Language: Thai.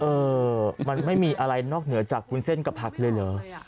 เออมันไม่มีอะไรนอกเหนือจากวุ้นเส้นกับผักเลยเหรอ